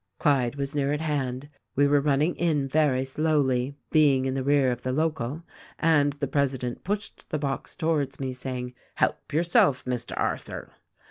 "Clyde was near at hand — we were running in very slow ly, being in the rear of the local — and the president pushed the box towards me, saying, 'Help yourself, Mr. Arthur.'